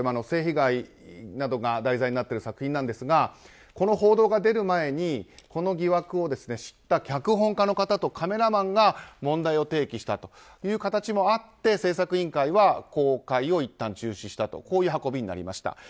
性被害などが題材になっている作品ですがこの報道が出る前にこの疑惑を知った脚本家の方とカメラマンの方が問題を提起したという形もあって製作委員会は公開をいったん中止したとこういう運びになりました。